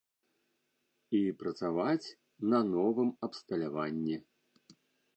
І працаваць на новым абсталяванні.